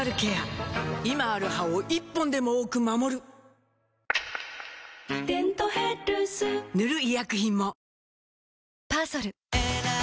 今ある歯を１本でも多く守る「デントヘルス」塗る医薬品も